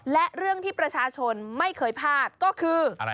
และเรื่องที่ประชาชนไม่เคยพลาดก็คืออะไร